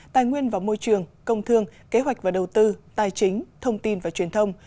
tài nguyên và môi trường công thương kế hoạch và đầu tư tài chính thông tin và truyền thông